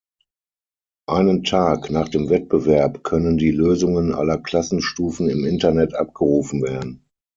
Einen Tag nach dem Wettbewerb können die Lösungen aller Klassenstufen im Internet abgerufen werden.